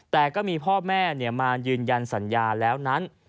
แต่ก็มีพ่อแม่มายืนยันสัญญาแล้วนั้น